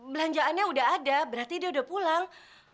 belanjaannya udah ada berarti dia udah pulang